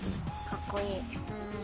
かっこいい。